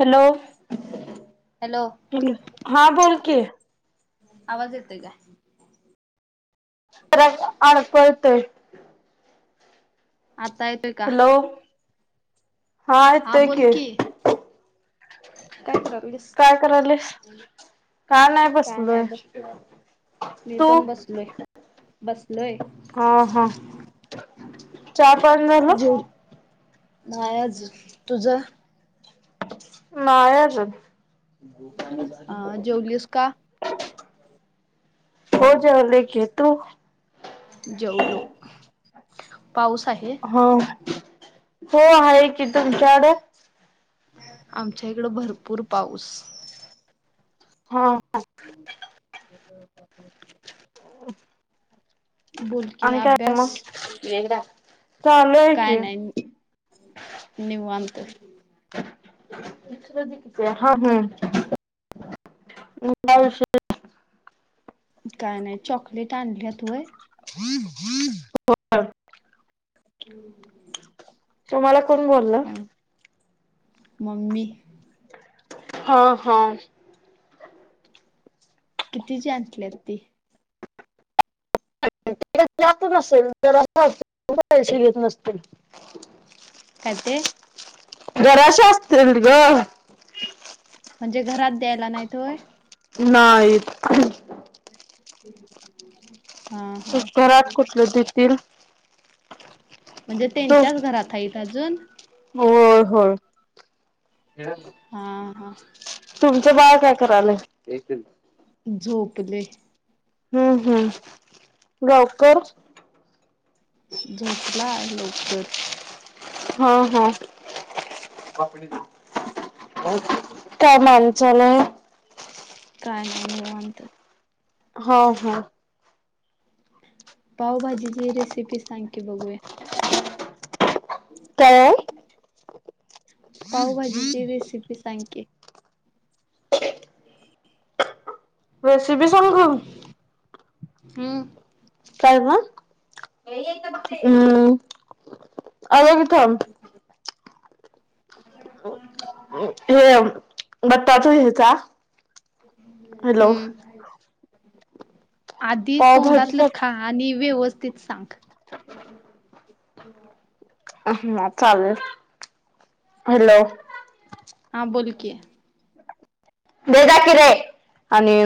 Hello hello हा बोल के आवाज येतोय काय? [unintelligible] अडकळतंय आता येतोय का? हा बोल आतऐके की काय करालीस का नाही बसलोय. मी तू पण बसलोय. बसलोय हा हा चहा पाण झालं नाहीज तुझ नायच अ जेवलस का हो जालेक तू जेऊलो हो हो आहे की तुमच्याडे आमच्या इकडं भरपूर पाऊस हा हो बोल अ की काम अभ्यास येट चाले आहे काय की नाही निवांत किती हा हम् श काय नाही चॉकलेट आणल्या तूय हम्म हम्म हम्म तुम्हाला कोण बोलल म्मी हा हा किती ज आणली ती जात नसेल जर असशी येत नसतील कध घराश असतल ग म्हणजे घरात द्यायला नाहीतोय नाईित ह ्रात कुठलं देतील म्हणजे त्यांच्याच घरातत अजून हो हो हा हा तुमचं बाळ काय कराल झोपले हम्म हम्म गावकर झोपलाय लवकर हम हम काय माणचाल काय नाही निवत हा हा पावभाजीची रेसिपी सांग की बघूया काय पावभाजीची रेसिपी सांगतेे रेसिपी सांगू हम्म काय ब हम् अज कथम हम् हेम बटताच हेचा हॅलो हम्म आधी तोंडातलं पावभाजीसाठी खा आणि व्यवस्थित तीच सांग अ ह चालेल हॅलो कं दे द कि रे आणि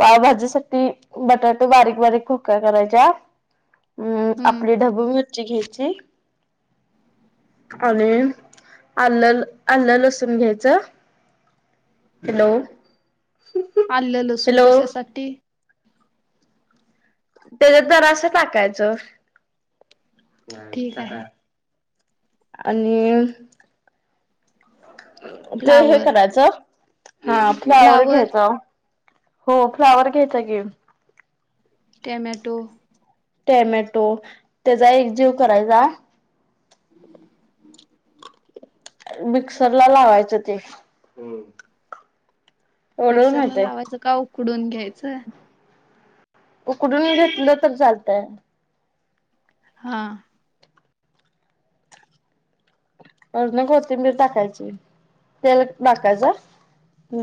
पावभाजीसाठी बटाटे बारीक बारीक खोका करायच्या हम्म हम्म आपली ढाबू मिरची घ्यायची आणि आलं आलं लसून घ्यायचं हॅलो आलं लसूण हॅलो कशासाठी त्याच्यात जरास टाकायचं ठीक आहे आणि ते हे फ्लावर करायचं हा फ्लावर घ्यायच हो फ्लावर घ्यायचा की ट्यामॅटो ट्यामॅटो त्याचा एक जीव करायचा. मिक्सर ला लावायचं ते एवढं मिक्सरला माहितय लावायचं का उकडून घ्यायचं उकडून घेतलं तर चालतय हा वरणं कोतींबीर टाकायची. तेल टाकायचा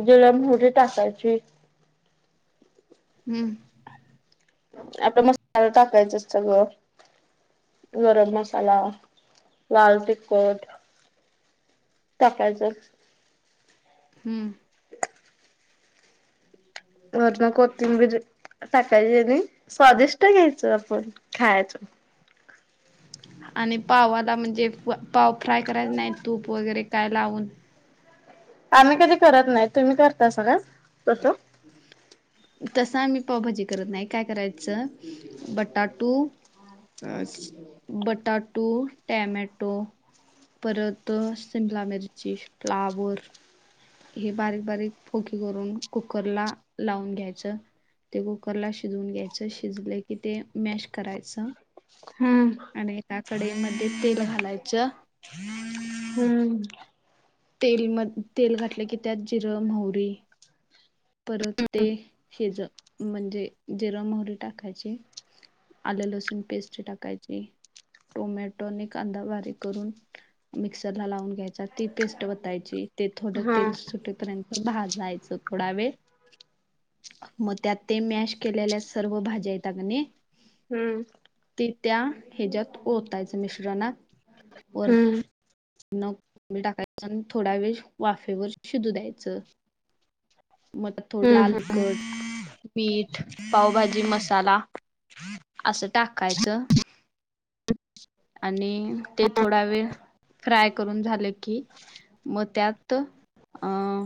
जिरं मोहरी टाकायची. हम्म आपला मसाला टाकायचा सगळं गरम मसाला, लाल तिखट टाकायच हम्म वरण कोथिम्बिरी सकाळजनी स्वादिष्ट घ्यायचं आपण खायच. आणि पावाला म्हणजे पाव फ्राय करायच नाही तूप वगैरे काय लावून आम्ही कधी करत नाही तुम्ही करता सा का तसा आम्ही पावभाजी करत नाही काय करायचं बट बटाटू बटाटू टॅमॅटो टाक परत शिमला मिरची, फ्लावर हे बारीक बारीक फोकी करून कुकर ला लावून घ्यायचं ते कुकर ला शिजवून घ्यायचं शिजलं की ते मॅश करायचं. हम्म कढईमध्ये तेल घालायचं हम्म तेल म तेल घातलं की त्यात जिरं म्हवरी परत ते शेज म्हणजे जिरा मोहरी टाकायची आलं लसूण पेस्टची टाकायची. टोमॅटोने कांदा बारीक करून मिक्सर ला लावून घ्यायचा ती पेस्ट ओतायची ते थोडं हा तेल सुटेपर्यंत भाजायचं थोडा वेळ मग त्यात ते मॅश केलेल्या सर्व भाज्या येता काणे हम्म त्या ह्याच्यात ओतायच मिश्रणात हम्म नं टाकायच आणि थोडा वेळ वाफेवर शिधू द्यायचं मग थोडं हम्म लाल तिकट, मीठ, पावभाजी मसाला अस टाकायच. आणि ते थोडा वेळ फ्राय करून झालं की मग त्यात अं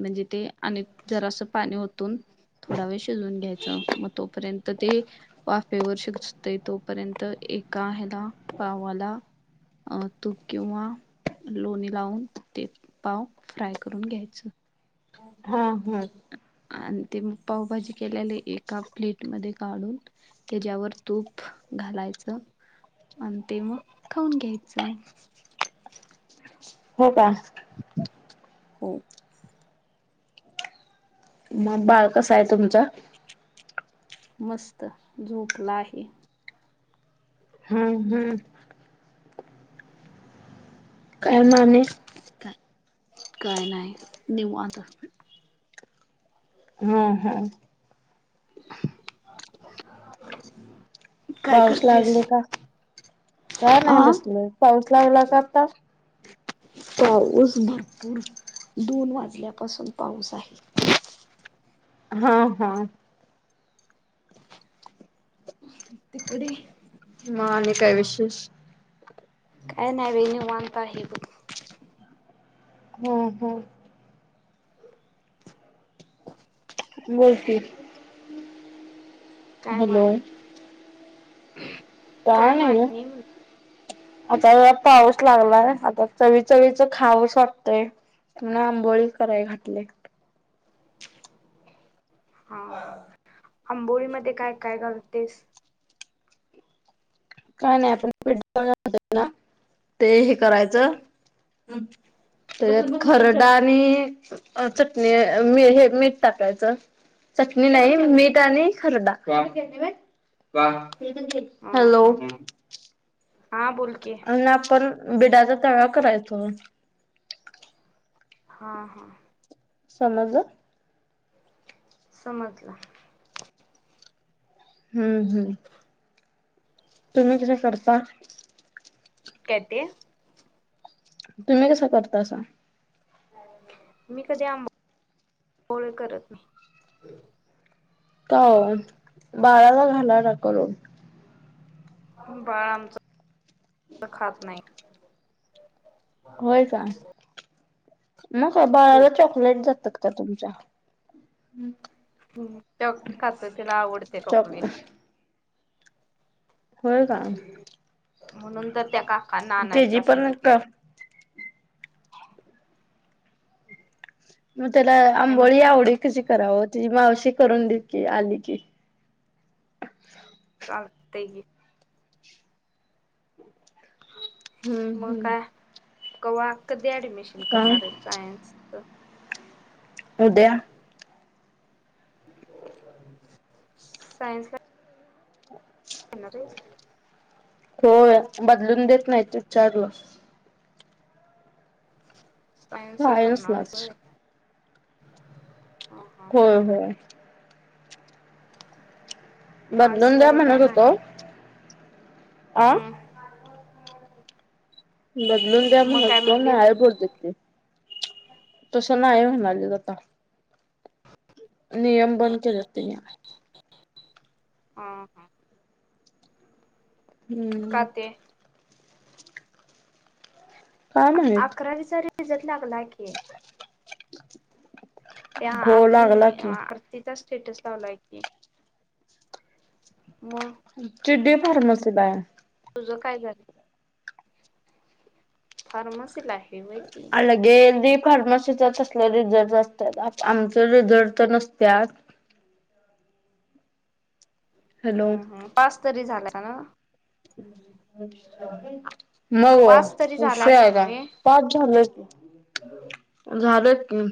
म्हणजे ते आणि जरा असं पाणी होतून थोडा वेळ शिजवून घ्यायचं मग तोपर्यंत तर ते वाफेवर शिकते तोपर्यंत एका ह्याला पावाला अच् तूप किंवा लोणी लावून ते पाव फ्राय करून घ्यायचं हा हा आणि ते मग पावभाजी केलेली एप प्लेट मध्ये काढून त्याच्यावर तूप घालायचं अ ते मग खऊन घ्यायचं हो का हो मग बाळ कस आहे तुमचा मस्त झोपला आहे हम्म हम्म काय मामने काय नाही देऊ आता हम हा [unintelligible] काय पाऊस करतेस लागले का का नाही आ बसल पाऊस लागला का आता पाऊस भरपूर दोन वाजल्यापासून पाऊस आहे हा हा तिकडे म आणि काय विशेष काय नाही रेन्यू माांगता आहेघ हम्म हम् बोलतील काय माने काय नाही ग. मानणे म्ह आता ज पाऊस लागलाय आता चवी चवीच खावस वाटतय तु आंबोळी कराय घातले [inaudible] हा आंबोळीमध्येध्ये काय काय करलतेस काय नाही आपण प ना ते हे करायचं तरत खरडा आणि चटणीी हे मीठ टाकायचं चटणी नाही मीठ आणि खरड हा हॅलो हा हा बोल की आणि आपण बिडाचा तळा करायचो हा हा समज समजला हम्म हम्म तुम्ही कस करता कती तुम्ही कसा करता असं मी कधी आोळे करत नाही का बाळााला घाला ना करून बाळ आमच खात नाही होय का म काय बाळाला चॉकलेट देतात का तुमच्या हम् चॉकलेट खातोय तिला आवडते चॉक चॉकलेट होय का म्हणून तर त्या काकांना त्याची आणायला पण सांगितले क म त्याला काय आंबोली म्हटलीस आवडतीची कराव ती मावशी करून देत की आली की चालतंय की हम्म हम्म कव्हा कधी ऍडमिशन काय करणार आहे सायन्सच उद्या सायन्सला येणार आहेस होय बदलून देत नाही विचारलं सायन्सच करणार आहेस सायन्सलाच होय हा हा. होय होय आर्ट्स बदलून द्या वगैरे काय म्हणत होतो नाही आ हम्म बदलून द्या म्हणत मग काय होतो म्हटलीत नाय बोलतेत ती तसं नाय म्हणायलेत आता नियम बंद केलेत त्यांनी हा हा का हम्म ते काय माहित अकरावीचा रिझल्ट लागलाय की त्या हो आरती लागला की आरतीचाच स्टेटस लावलाय की मग चिडी फार्मसीला आहे तुझं काय झालं फार्मसीला आहे व्हय ती अळगे दीप फार्मसीच्या तसले रिझल्ट असतात आमच रिझल्ट तर नसत्या हॅलो हम्म हम् पास तरी झाला ना मग पास तरी उशिरा आहे का पास झालं की ह झालंत की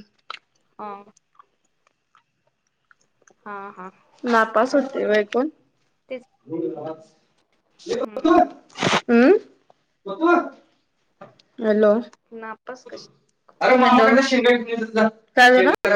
हा. हा हा नापास होते बाय पण तेच [unintelligible] [unintelligible] हम्म हमं [unintelligible] [inaudible] हॅलो [unintelligible] नापास कशी [unintelligible] [unintelligible] [inaudible] [inaudible] [inaudible] काय झालं